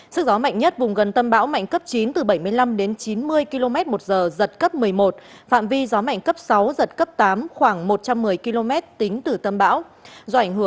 sức gió mạnh nhất vùng gần tâm bão mạnh cấp chín từ bảy mươi năm đến chín mươi km một giờ giật cấp một mươi một phạm vi gió mạnh cấp sáu giật cấp tám khoảng một trăm một mươi km tính từ tâm bão